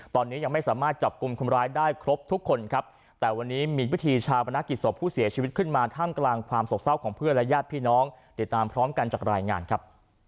ตอนนี้ยังไม่สามารถจับกลุ่มคนร้ายได้ครบทุกคนครับแต่วันนี้มีพิธีชาปนกิจศพผู้เสียชีวิตขึ้นมาท่ามกลางความโศกเศร้าของเพื่อนและญาติพี่น้องติดตามพร้อมกันจากรายงานครับ